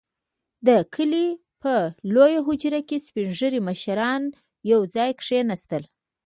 • د کلي په لويه حجره کې سپين ږيري مشران يو ځای کښېناستل.